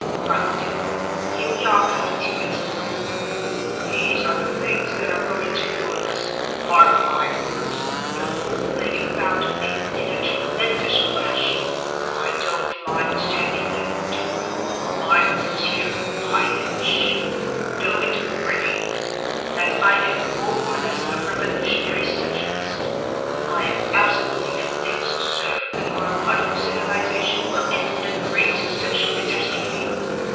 thought the Duke, here we are coming to it), "these are the things that are going to ruin us. Mark my words, the whole thing is bound to end in a tremendous crash. I don't mind telling you, Duke my friends here, I am sure, know it already that I am more or less a revolutionary socialist. I am absolutely convinced, sir, that our modern civilization will end in a great social catastrophe.